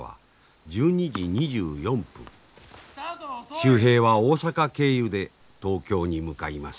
秀平は大阪経由で東京に向かいます。